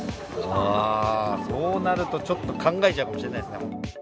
あー、そうなると、ちょっと考えちゃうかもしれないですね。